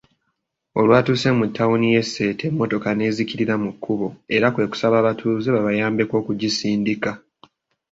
Olwatuuse mu ttawuni y'e Sseeta emmotoka ne zzikirira mu kkubo era kwekusaba abatuuze babayambeko okugisindika.